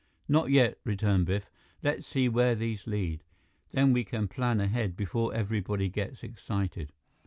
"Not yet," returned Biff. "Let's see where these lead. Then we can plan ahead, before everybody gets excited."